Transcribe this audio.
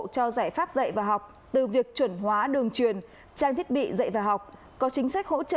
cho giải pháp dạy và học từ việc chuẩn hóa đường truyền trang thiết bị dạy và học có chính sách hỗ trợ